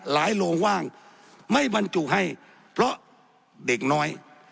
โรงว่างไม่บรรจุให้เพราะเด็กน้อย